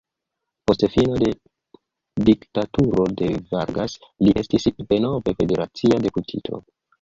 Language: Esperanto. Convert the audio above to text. Post fino de diktaturo de Vargas li estis denove federacia deputito.